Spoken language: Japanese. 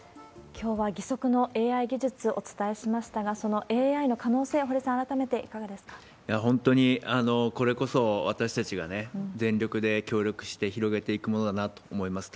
きょうは義足のＡＩ技術、お伝えしましたが、そのＡＩの可能性、堀さん、本当に、これこそ私たちが全力で協力して広げていくものだなと思います。